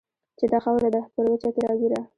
چې دا خاوره ده پر وچه کې راګېره